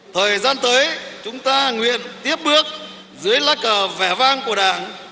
thời gian tới chúng ta nguyện tiếp bước dưới lá cờ vẻ vang của đảng